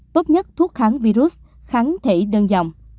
tốt nhất thuốc kháng virus kháng thể đơn dòng